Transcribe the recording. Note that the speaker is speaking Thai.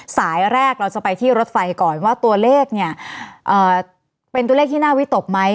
สายแรกเราจะไปที่รถไฟก่อนว่าตัวเลขเนี่ยเป็นตัวเลขที่น่าวิตกไหม